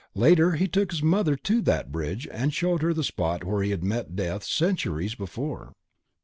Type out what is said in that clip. Later he took his mother to that bridge and showed her the spot where he had met death centuries before.